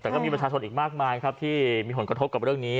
แต่ก็มีประชาชนอีกมากมายครับที่มีผลกระทบกับเรื่องนี้